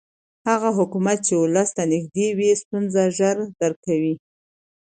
هغه حکومت چې ولس ته نږدې وي ستونزې ژر درک کوي